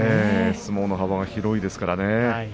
相撲の幅が広いですからね。